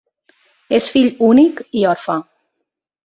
És fill únic, i orfe.